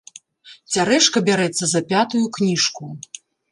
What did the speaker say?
Цярэшка бярэцца за пятую кніжку.